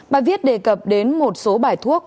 bài viết đề cập đến một số bài thuốc